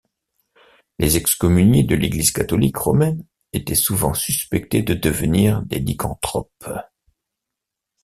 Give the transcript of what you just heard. Les excommuniés de l'Église catholique romaine étaient souvent suspectés de devenir des lycanthropes.